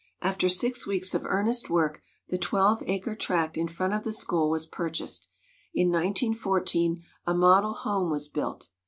After six weeks of earnest work the twelve acre tract in front of the school was purchased. In 1914 a Model Home was built.